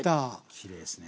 きれいですね。